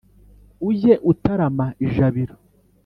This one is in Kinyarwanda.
Ujye utarama ijabiro.